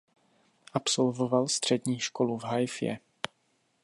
Absolvoval střední školu v Haifě.